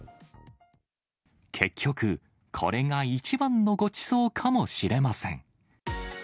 結局、これが一番のごちそうかもしれません。